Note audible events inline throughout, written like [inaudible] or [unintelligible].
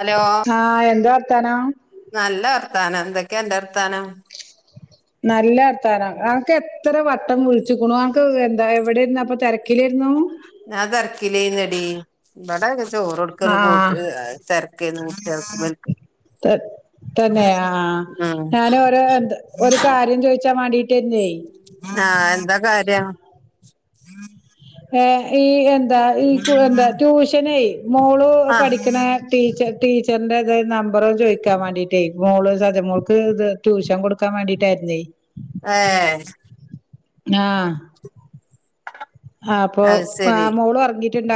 Hello ആഹ് എന്താ വർത്താനം ത്താനം എന്തൊക്കെഅന്റെർത്താനം നല്ലർത്താനം അൻക്ക് എത്ര വട്ടം വിളിച്ചേക്കുണു അതു എന്താ എവിടായിരുന്നു അപ്പൊ തിരക്കിലെര്ന്നു ഞാൻ തിരക്കിൽ ആയിരുന്നീടി ഇവിടെ ചോറൊട്ക്കലും ആഹ് [unintelligible] ക്കായിരുന്നു എന്റെ ഹസ്ബന്റ് ത തന്നേ ആഹ് ഉം ഞാൻ അവരെ ഒരു കാര്യം ചോയിക്കാൻ വേണ്ടീട്ടെര്ന്നെ ആഹ് എന്താ കാര്യം ഏഹ് ഈ എ ന്താ ഈ എന്താ ട്യൂഷനെ മോളു ആഹ് പഠിക്കണ ടീച്ചർ ടീച്ചറിന്റെ ഇത് നമ്പർ ഒന്നും ചോയിക്കാൻ വേണ്ടീട്ടെ മോളു സദ മോൾക്ക്‌ ട്യൂഷൻ കൊടുക്കാൻ വേണ്ടീട്ട് ആയിരുന്നേ ഏഹ്ഹ് ആഹ് ഹാ അപ്പൊ അത് ശരി ആഹ് മോളു ഒറങ്ങി ട്ടിണ്ട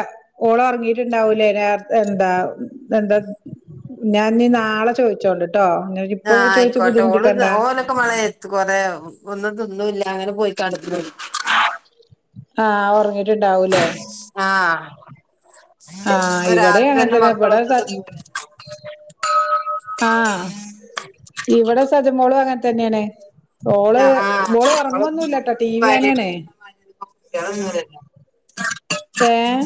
ഓള് ഒറങ്ങീട്ടുണ്ടാവൂല്ലേ രാ എന്താ എന്താ ഞാൻ ഇനി നാളെ ചോയിച്ചോണ്ട് ആഹ് ആയിക്കോട്ടെ ഓള് ദാ ഓലൊക്കെ മഴയത്തു കൊറെ ഒന്നും തൊന്നൂല്ല അങ്ങനെ പോയി കടന്നു ആഹ് ഉറങ്ങീ ആഹ് ആ അപ്പൊ ഇവിടെ അങ്ങനെ രാത്രിയൊന്നും തന്നെ മക്കളൊ ഇവിടെ [unintelligible] തിന്നൂല്ലാരുന്നോ ആഹ് ഇവിടെ സജ മോളും അങ്ങനെ തന്നെയാണ് ഓള് ആഹ് ഓള് നമ്മള് ഉറങ്ങൊന്നൂല്ലാട്ടോ നമ്മള് ടീവീ കാണയാണ് വാരിയടിച്ച് തിന്നണ മാതിരി കുട്ടികള് തിന്നൂലല്ലോ ഏഹ്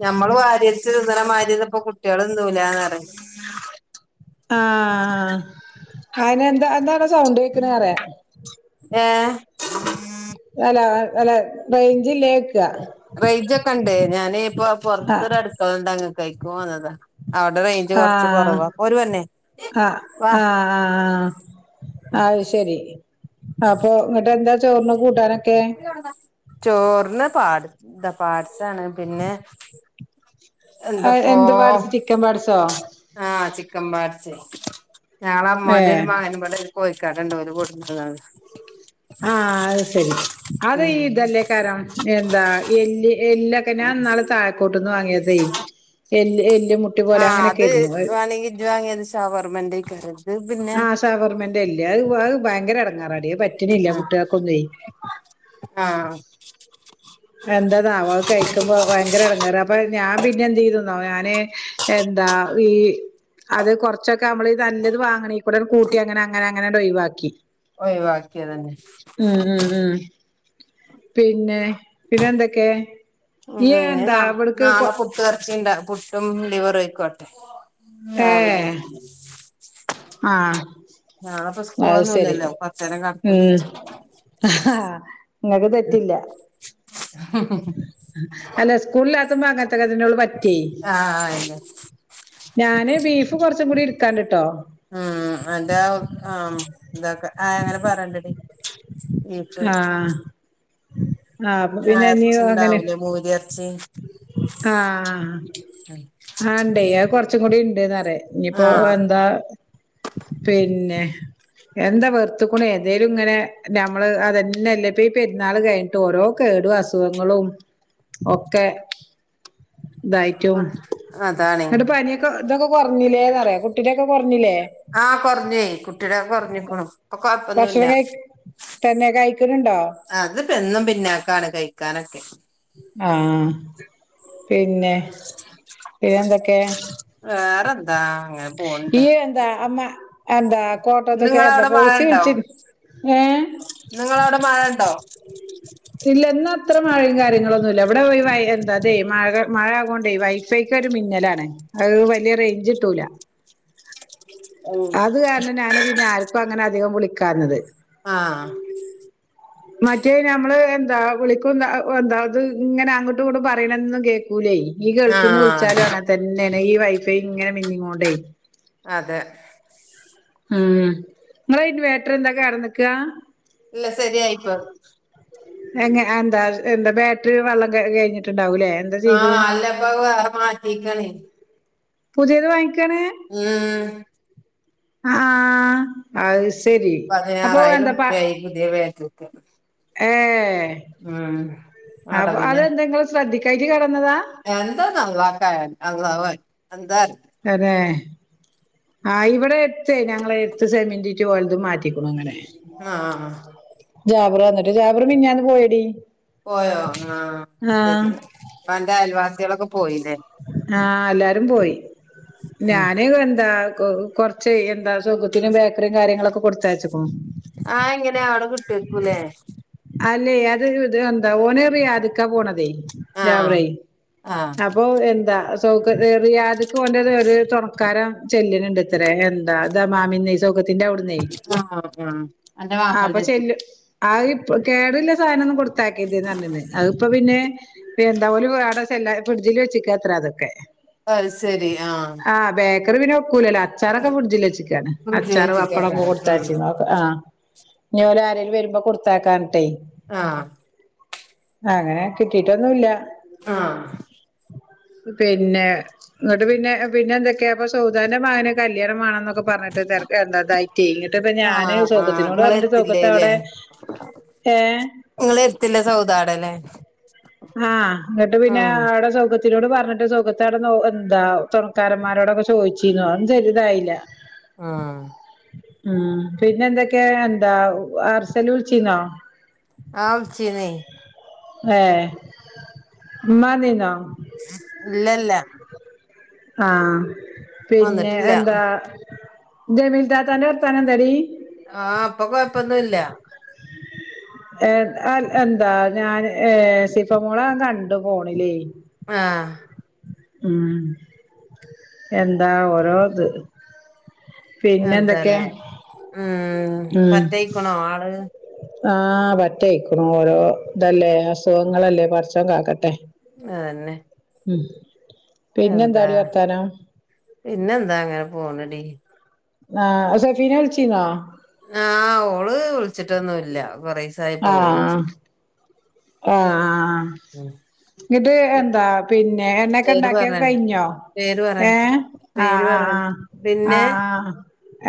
ഞ്ഞമ്മള് വാരി വലിച്ചു തിന്നണ മാതിരിയൊന്നും ഇപ്പോ കുട്ടികള് തിന്നൂലാന്ന് പറയാ ആഹ് അതിനു എന്താ എന്താടോ സൗണ്ട് കേക്കാണെന്നറിയാ ഏഹ് അല്ലാ അല്ല റേഞ്ച് ഇല്ലായിരി റേഞ്ചോക്കെണ്ട് ഞാനേ ഇപ്പൊ ആ പൊറത്തൊരടുക്കള ഇണ്ട് അങ്ങ് [unintelligible] ആ ആ വാ ആ അതു ശെരി അപ്പൊ [unintelligible] ചോറിന് കൂട്ടാനൊ [unintelligible] ചോറിന് പാട്സാണ് പിന്നെ എന്ത് പാട്‌സ് ചിക്കൻ പാട്സോ ആ ചിക്കൻ പാട്‌സ് ഞങ്ങടെ അമ്മോന്റെരു ഏഹ് മകനിവടെ ഒരു കോഴി കടേണ്ട് [unintelligible] ആ അത് സരി അത് ഉം ഇതല്ലെ കര എന്താ എല്ല് എല്ലോ ക്കെ ഞാൻ ഇന്നാള് താഴെക്കോട്ടുന് വാങ്ങിയതെ എ എല്ല് എ ആ അത് വേണെങ്കി ഇജ്ജ് വാങ്ങിയത് ഷവർമേന്റെ ക്കാരത് ആ ഷവർമേന്റെ എല്ലാ അത് വേവ് ഭയങ്കര ഇടങ്ങേറാടി പറ്റണില്യ ആഹ് കുട്ട്യാക്കൊന്നുവേ ആഹ് എന്റെ നാവ് കഴിക്കുംമ്പം ഭയങ്കര ഇടങ്ങേറ് അപ്പൊ ഞാൻ പിന്നെ എന്ത് ചെയ്തിനോ ഞാന് എന്താ ഈ അത് കൊറച്ചൊക്കെ നമ്മള് നല്ലത് വാങ്ങണെ കൊറെത് കൂട്ടി അങ്ങനെ അങ്ങനെ അങ്ങനെ അത്‌ ഒഴിവാക്കി ഴിവാക്കിയതു തന്നെ ഉം ഉം ഉം പിന്നെ പിന്നെ എന്തൊക്കെ ഉം നീയെ ഇനി എന്ത നാ അവർക്ക്- നാളെ പുട്ട് ഇറച്ചിണ്ട പുട്ടും ലിവറും ആയിക്കോടെ ഏ... ആ നാളെപ്പോ അത് സ്കൂളൊന്നും ശരി ഇല്ലല്ലോ കൊറച്ചേരം മ് കടക്കും ചെജ്ജും ആ നിങ്ങക്ക് തെറ്റില്ല അല്ല സ്കൂളില- [inaudible] ആ ആയല്ലോ ഞാന് ബീഫ് കുറച്ചും കൂടി എടുക്കാനുണ്ട് മ് അതാ ആ ഇതൊക്കെ അങ്ങനെ പറഞ്ഞിട്ടുണ്ടടി ആ ആ അപ്പൊ ആഹ് പിന്നെ ഇനി ഇറച്ചി അങ്ങനെ ഉണ്ടാവൂലേ മൂരി ഇറച്ചി ആ ഇണ്ടേയ് അ കൊറച് കുറച്ചു കൂടി ഇണ്ട്ന്ന് പറയാ ഇനി ഇപ്പൊ ആഹ് എന്താ പിന്നെ എന്താ വെറുത്തുക്കുണേയ് എന്തെങ്കിലും ഇങ്ങനെ നമ്മൾ അത് തന്നെ അല്ലെ ഈ പെരുന്നാൾ കഴിഞ്ഞിട്ട് ഓരോ കേടും അസുഖങ്ങളും ഒക്കെ ഇതായിട്ടും അതാണ് ഇങ്ങട്ട് പനി ഒക്കെ ഇതൊക്കെ കുറഞ്ഞില്ലേ ന്ന് പറ കുട്ടിന്റെ ഒക്കെ കുറഞ്ഞില്ലേ ആഹ് കൊറഞ്ഞേ കുട്ടിയുടെ കൊറഞ്ഞിക്കണു ഇപ്പൊ ഭക്ഷണം കഴിക്ക തന്നെ കഴി ആ അത് ഇപ്പം എന്നും പിന്നോക്ക ആണ് കഴിക്കാനൊക്കെ ആ പിന്നെ പിന്നെ എന്തൊക്കെ വേറെന്താ അങ്ങനെ പോണ്ട് ഇയ്യ് എന്താ അമ എന്താ ഇന്ന് കോട്ടത്ത്ക്ക് ഇങ്ങളെ എന്താ അവിടെ മഴ ഫൗസി ഉണ്ടോ വിളിച്ച് ഏഹ് ഇന്ന് ഇങ്ങളെ അവിടെ മഴ ഉണ്ടോ ഇല്ല ഇന്ന് അത്ര മഴയും കാര്യങ്ങളൊന്നും ഇല്ല ഇവിടെ എന്താ ഇത് മഴ മഴ ആയതുകൊണ്ട് വൈഫൈക്ക് ഒരു മിന്നൽ ആണ് അത് വലിയ റേഞ്ച് കിട്ടൂല ഉം അത് കാരണം ഞാൻ പിന്നെ ആർക്കും അങ്ങനെ അധികം അധികം വിളിക്കാഞ്ഞത് ആ മറ്റേ നമ്മൾ എന്താ വിളിക്കും ഇത് ഇങ്ങനെ അങ്ങട്ടും ഇങ്ങട്ടും പറയുന്നത് ഒന്നും കേൾക്കൂലേയ് ഇനി ഗൾഫിൽ നിന്നും ആഹ് വിളിച്ചാലും അങ്ങനെ തന്നെ ഈ വൈഫൈ ഇങ്ങനെ മിന്നിക്കൊണ്ടേയ് അതെ മം ഇങ്ങളെ ഇൻവെർട്ടർ എന്താ കേട് വന്നാക്കാണോ ഇല്ല ശരി ആയി ഇപ്പൊ എങ്ങനെ എന്താ എന്താ ബേട്ടറിയിൽ വെള്ളം കഴിഞ്ഞിട്ട് ആ അല്ല ഇപ്പൊ വേറെ മാറ്റിക്കാണ് പുതിയത് വാങ്ങി ആ അ ആ അത് ശ പതിനാറായിരം റുപ്യ ആയി പുതിയ ബാറ്ററി ക്കെ ഏഹ് അപ്പ അതെന്താ ഇങ്ങള് ശ്രെദ്ധി [unintelligible] എന്തൊ അള്ളാക്കറിയാ അള്ളാഹു അഅ്ലം അതേ ആ ഇവിടെ എട്ത്തെ ഞങ്ങളെ എട്ത്ത് [unintelligible] ഓൽതും മാറ്റി ആഹ് ആഹ് ആഹ് ജാബറു വന്നിട്ട് ജാബറു മിൻഞ്ഞാന്നു പോയെടി. പോയോ ആ സെരി ആഹ് അപ്പ അന്റെ അയൽവാസി ത്യേളക്കും ആഹ് എല്ലാരും പോയി ഞാനെ എന്താ കൊ കൊർച്ചേ എന്താ ഷൗക്കത്തിന് ബേക്കറിം കാര്യങ്ങളൊക്കെ കൊടുത്തയച്ചു. ആ എങ്ങനെയാ അവ്ടെ കിട്ട് ടട്ടേര്ക്കുല്ലേ? അല്ലേ അത് ഇത് എന്ത ഓന് റിയാദിക്ക പോണതേ. ആഹ് ജാബറെയ് ആഹ് അപ്പൊ എന്താ [unintelligible] റിയാദ്ക്ക് ഓന്റെ ഒരു ഒര് തൊണക്കാരൻ ചെല്ലിനിണ്ടത്രേ. ണ്ടാതാ മാമിനെ ഷൗക്കത്തിന്റവ് ടുന്നെ ആഹ് ആഹ് അന്റെ അപ്പ മാപ്പൾന്റെ അടുത്ത് ചെല്ലു അയ് കേട്ല്ല സാനൊന്നും കൊട് ത്താക്കെത് ന്നർഞ്ഞ്ണ് അഅ്പ്പോ പിന്നെ എന്ത ഓല് വാറെ സെല്ലാ ഫ്രിഡ്ജില് വച്ചെക്കാത്രേ അതൊക്കെ. അത് ശരി ആഹ് ആ ബേക്കറി പിന്നെ ഒക്കൂലല്ലോ. അച്ചാറൊക്കെ ഫ്രിട്ജില് വച്ചീക്കാണ്. അച്ചാറ്, പപ്പടം [unintelligible] വിജയച്ചിക്കക്കാരൻ ഉം കൊടുത്തയ്ച്ചിന് ക്കെ ആ. ഞ്ഞോ ആരേലും വരുമ്പ കൊട്ത്ത ത്താക്കാൻട്ടേ. ആഹ്. അങ്ങനെ കിട്ടിട്ടൊന്നുല്ല. ആഹ്. പിന്നെ ന്നിട്ട് പിന്നെ പിന്നെ എന്തൊക്കെയാ ആപ്പോ സൗദാന്റെ മഅനൊ കല്യാണം വാണം ന്നൊക്കെ പർ ഞ്ഞിട്ട് തെര [unintelligible] ന്നിട്ട് പ്പ ആഹ് ഞാന് ആഹ് സൗകത്തിനോട് ഇങ്ങള് അർഞ്ഞ് ട്ട് എത്തില്ലേല്ലേ സൗകത്തവ്ടെ ഏഹ് ഇങ്ങള് എത്തില്ല സൗദാടല്ലേ ആഹ് എന്നിട്ട് പിന്നെ ഉം ആടെ സൗകത്തി ത്തിനോട് പറഞ്ഞിട്ട് സുഖത്തേ കിടന്ന് എന്താ തൊറക്കാരൻമാരോടെക്കെ ഒക്കെ ചോദിച്ച് ഒന്നും ശരിയായില്ല. ആ ആ പിന്നെന്തൊക്കെ എന്താ [unintelligible] ച്ചിനോ ആ വിൾച്ചിനേ ഏ ഇമ്മ വന്നിനോ ഇല്ലല്ല ആ പിന്നെ വന്നിട്ടില്ല എന്താ? ജമീൽ താത്താന്റെ വർത്താനം എന്തടി? ആ ഇപ്പൊ കൊഴപ്പന്നുല്ല എ എൽ എന്താ ഞാന് ഏ സിഫ മോളേ ഞാൻ കണ്ടു ഫോണില് ആഹ് ഉം എന്താ ഓരോത്. എന്താല്ലേ ഉം ഉം പറ്റയ്ക്കണോ ആള് ആ പറ്റയ്ക്കണു ഓരോ ഇതല്ലേ അസുഖങ്ങളല്ലേ? പടച്ചോൻ കാക്കട്ടെ. അതന്നെ ഉം എന്താ പിന്നെന്താടി വർത്താനം പിന്നെ എന്താ അങ്ങനെ പോണടി. ആ സജീന വിളിച്ചീന്നോ? ആ ഓള് വിളിച്ചു. റ്റൊന്നുല്ല കൊറെസായി പ്പ ഓൾ വിച്ചി ആഹ് ഇത് എന്താ പിന്നെ എണ്ണക്കെ പേര് ഇണ്ടാക്കിയൊക്കെ പറഞ്ഞണ്ട കഴിഞ്ഞോ പേര് പറയാൻ ഏ പറ്റില്ല ആ പേര് ആ പറയാൻ പറ്റില്ല ആ പിന്നെ ആഹ്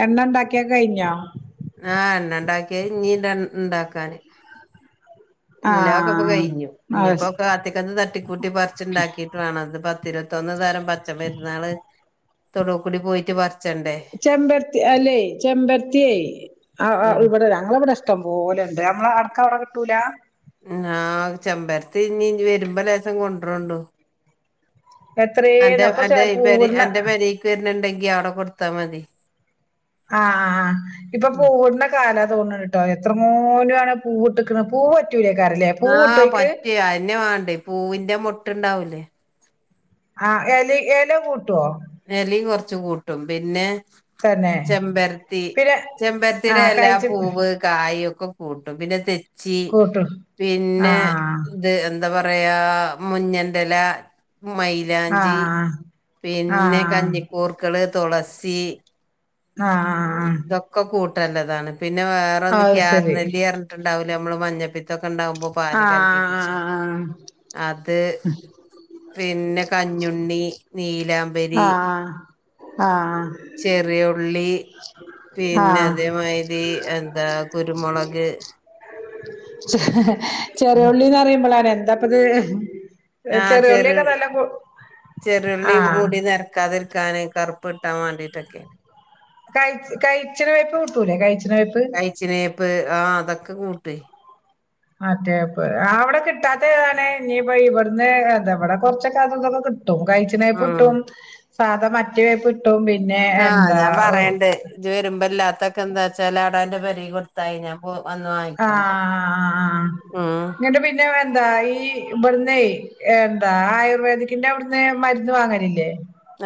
എണ്ണണ്ടാക്കിയൊക്കെ കഴിഞ്ഞൊ ആ എണ്ണണ്ടാക്കിയെ ഇനീ ടൺ ഇണ്ടാക്കാന് ല്ലാ അക്കോ പ്പ ആഹ് കയ്ഞ്ഞു അത് ഇഞ്പ്പക്കെ അതികന്ന് തട്ടി കൂട്ടി പർച്ച്ണ്ടാകിട്ട് വേണം ത് പ്പ തിര ത്തെന്നു തരം പച്ചമര്ന്നള് തൊടുകൂടി പോയിട്ട് പർ ചെമ്പര്ത്തി അല്ലേ ചെമ്പരത്യേ അ അ ഉം വടെ ഞങ്ങളവടെ ഇഷ്ട്ടം പോലണ്ട് ആ ആർക്കവടെ കിട്ടൂല ഞാൻ ചെമ്പര്ത്തി ഇഞ് ജ്ജ് വരുമ്പം ലേസം കൊൻഡ്രോണ്ടു എത്രേന്ന് അന്റെ അപ്പൊ ചെ അന്റെ പെര പൂവിട്ണ അന്റെ പെരീക്കെര്ന്ന്ണ്ടങ്കി യവ്ടെകൊട്ത്താ മതി. ആ ആ ഇപ്പം ഉം. പൂവ്ട്ണ കാല തോന്ന്ണ്ട്ട്ടോ എത്രങ്ങാനാണ് പൂവ്ട്ട്ക്ക്ണ് പൂവ് പറ്റൂലേക്കാരല്ലേ പൂവ് ആഹ് കിട്ടോയ്ക്ക് പറ്റിയ ആയ്ന്നെയാ മാണ്ടേ പൂവിന്റെ മൊട്ട്ണ്ടാവും അഹ് എലയ് എലകൂട്ടുവോ എലേം കൊറച്ച് കൂട്ടും പിന്നെ തന്നെ ചെമ്പരത്തി പിന്നെ ചെമ്പരത്തീടെ ആഹ് എല കഴിച്ച് പൂവ് കായ് ഒക്ക് [unintelligible] കൂട്ടും പിന്നെ തെച്ച് ച്ചി കൂട്ടും പിന്നെ ആഹ് ഇത് എന്ത് ന്താ പറയാ മുഞ്ഞെന്റെലാ മൈലാഞ്ചി ആഹ് പിന്ന് പിന്നെ ആഹ് കഞ്ഞിക്കൂർക്കള് തൊളസി ആഹ് ആഹ് തൊക്കെ കൂട്ട് നല്ലതാണ് പിന്നെ വേറൊന്ന് അത് ശരി കീയാർനെല്ലി പർഞ്ഞിട്ടുണ്ടാവ് ഞമ്മള് മഞ്ഞപിത്തം ത്തം ഒക്കെ ഇണ്ടാവുമ്പോ പാലിൽ കലക്കി കുടിച്ചാ ആഹ് അത് പിന്നെ കഞ്ഞുണ്ണി നീലാംബരി ആ ആഹ് ചെറിയ ഉള്ളി പിന്നെ ആഹ് അതേമാതിരി എന്താ കുരുമുളക് [inaudible] ഉം ചെറിയൊള്ളിന്ന് പറയുമ്പളണേ [unintelligible] ആഹ് ചെറി ചെറിയുള്ളി ആഹ് മുടി നേർക്കത്തിർ കാണെ കറുപ്പുണ്ടാവാൻ വേണ്ടിട്ടേക്കേ കൈ കൈചെറെപ്പ് കിട്ടൂല്ലേ കൈചെറെപ്പ് കഴിച്ചിനേപ്പ് [unintelligible] അതെപ്പ അവിടെ കിട്ടാത്തതേതാണ് ഇനിയിപ്പം ഇവിടുന്നെ ഇവിടെ കുറച്ചൊക്കെ അത് ഇതും ഒക്കെ കിട്ടും. [unintelligible] പാദമറ്റവെപ്പ് ആ ഞാൻ പേറേണ്ട് ഇനി വരുമ്പോ ഇല്ലാത്തെക്കെ എന്താച്ചാൽ [unintelligible] ആആഹ് ഉം നിട്ട് പിന്നെ ന്തായി ഇവിടുന്നെ എന്താ ആയുർവേദിക്കിന്റവിടുന്ന് മരുന്ന് വാങ്ങുണില്ലേ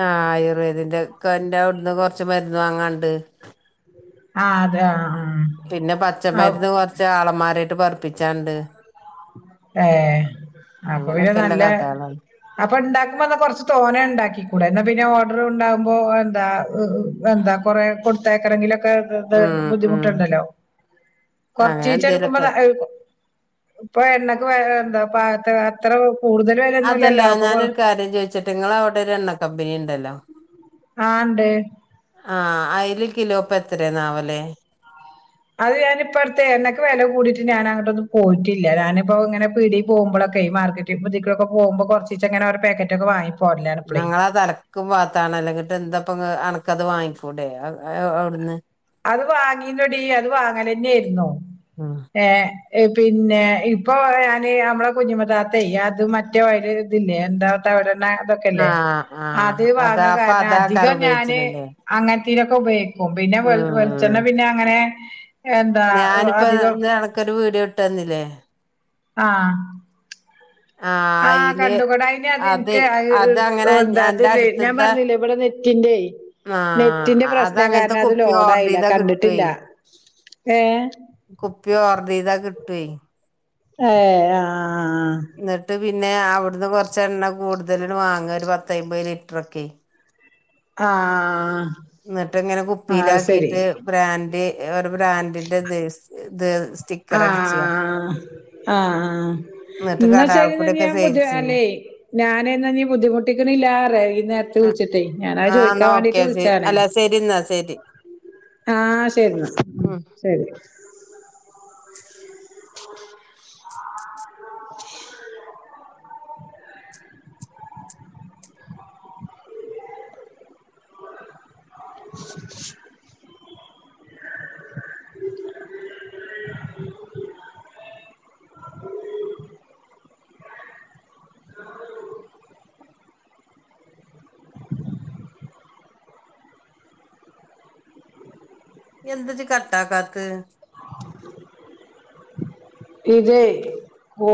ആഹ് ആയുർവേധിക്കന്റവിടുന്ന് കുറച്ചു മരുന്ന് വാങ്ങാനുണ്ട് അഹ് അത് ആഹ് പിന്നെ ആഹ് പച്ചമരുന്ന് കൊറച്ച് ആളമ്മാരെ [unintelligible] വാർപ്പിച്ചാണ്ടെ അപ്പോ പിന്നെ അങ്ങനെയൊക്കെല്ല നല്ല കഥകളാണ് അപ്പോ ഇണ്ടാക്കോ അതോ കൊറച്ച് [unintelligible] ഇണ്ടാക്കിക്കൂടെ [unintelligible] എന്താ എന്താ കൊറേ [unintelligible] [unintelligible] ഉം ഉം ബുദ്ധിമുട്ടിണ്ടല്ലോ അങ്ങനെ കൊറച്ചീച്ചേ എടുക്കുമ്പോ എന്തേലൊക്കെ [unintelligible] ഇപ്പൊ എണ്ണക്കു [unintelligible] [unintelligible] അതല്ലാ ഞാനൊരു കാര്യം ചോദിച്ചിട്ട് ഇങ്ങള് അവിടെ ഒരു എണ്ണക്കമ്പിനിയിണ്ടല്ലോ ആ ഇണ്ട് ആ അയില് കിലോ ഇപ്പ എത്രയാവുല്ലേ അത് ഞാൻ ഇപ്പടുത്ത് എണ്ണക്കു വെല കൂടിട്ട് ഞാൻ അങ്ങോടൊന്നും പോയിട്ടില്ലാ ഞാനിപ്പോ ഇങ്ങനെ പീടി പോകുമ്പൊളൊക്കെ [unintelligible] കൊറച്ചീച്ചൊക്കെ പാക്കറ്റൊക്കെ വാങ്ങി പോരലാണ് ഇപ്പളേ ഞങ്ങളത് അലക്കു ഭാഗത്താണ് [unintelligible] എന്തപ്പ [unintelligible] നക്കത് വാങ്ങിഫൂടെ അവിടന്ന് അത് വാങ്ങിയല്ലോടി അത് വാങ്ങല് തന്നെയാരുന്നു ഏ പിന്നെ ഇപ്പോ [unintelligible] നമ്മടെ കുഞ്ഞുമത്താത്തെ അത് മറ്റേ [unintelligible] [unintelligible] [unintelligible] [unintelligible] അതൊക്കെയില്ലേ ആഹ് അത് ആഹ് അതാ വാങ്ങാൻ അപ്പൊ കാരണം അതാക്കാറ് അധികം ഞാന് ഉപയോഗിച്ചിണില്ലേ അങ്ങനെ തൊക്കെ ഉപയോഗിക്കും മൊബൈനാ വെൽ [unintelligible] പിന്നങ്ങനെ ങ് ഞാനിപ്പ നിനക്കൊരു വീഡിയോ ഇട്ട് തന്നില്ലേ ആ ആഹ് ആ അയില് കണ്ടു അയിന് അത് അതെ അതങ്ങനെ എന്റെ നിനക്ക് അടുത്തത്തെ ഇവിടെ നെറ്റിൻ്റേ ആഹ് നെറ്റിൻ്റെ പ്രശ്‌നാ അതങ്ങനത്തെ കാരണം അത് കുപ്പി ഓർഡർ ലോഡായില്ലാ ചെയ്താ കിട്ടുവേ കണ്ടിട്ടില്ലാ ഏ പ്പ് [unintelligible] ആഹ് ആ... ആ ആ എന്നിട്ട് പിന്നെ അവിടന്ന് കൊറച്ചെണ്ണ കൂടുതല് വാങ്ങ് ഒരു പത്തയ്‌മ്പത് ലിറ്ററൊക്കെ ആ എന്നിട്ടിങ്ങനെ കുപ്പീലാക്കീട്ട് ബ്രാൻഡ് അവരുടെ ബ്രാൻഡിൻ്റെ [unintelligible] ആ ആ എന്നിട്ട് ന്നാ ശരി കടാൾക്കൂടെ ഒക്കെ സെയിൽസ് ചെയ്യ [unintelligible] ഞാനേ എന്നാ ബുദ്ധിമുട്ടിക്കണില്ലാ [unintelligible] ഞാൻ അത് ആഹ് എന്നാ ചോദിക്കാൻ വേണ്ടീട്ട് ഓക്കെ ശരി വിളിച്ചതാ അല്ല ശരി എന്നാ ശരി ആ ശരി ഉം ആ [inaudible] [unintelligible] [unintelligible] [unintelligible] [unintelligible] എന്ത് ജ്ജ് കട്ടാക്കാത്ത്. ഇതേ വോ